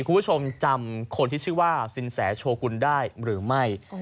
คุณผู้ชมจำคนที่ชื่อว่าสินแสโชกุลได้หรือไม่